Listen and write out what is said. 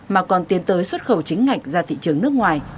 mà còn tiến tới xuất khẩu chính ngạch ra thị trường nước ngoài